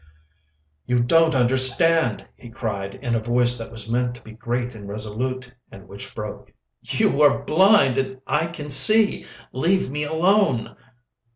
"You don't understand," he cried, in a voice that was meant to be great and resolute, and which broke. "You are blind and I can see. Leave me alone!"